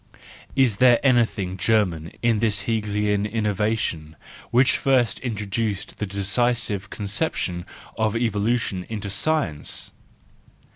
Is there anything German in this Hegelian innovation which first introduced the decisive conception of evolution into science?